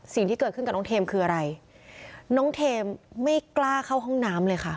สิ่งที่เกิดขึ้นกับน้องเทมคืออะไรน้องเทมไม่กล้าเข้าห้องน้ำเลยค่ะ